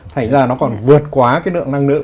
thành ra nó còn vượt quá cái lượng năng lượng